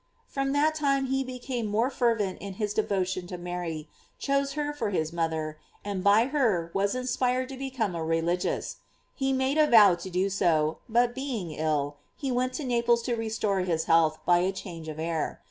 From that time he became more fervent in his devotion to Mary, chose her for his moth er, and by her was inspired to become a re ligious. He made a vow to do so, but being ill, he went to Naples to restore his health by a change of air.